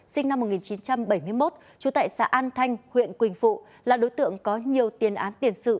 sinh năm một nghìn chín trăm bảy mươi một trú tại xã an thanh huyện quỳnh phụ là đối tượng có nhiều tiền án tiền sự